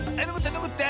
のこった！